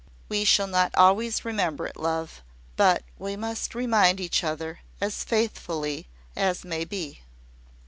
We shall not always remember it, love; but we must remind each other as faithfully as may be."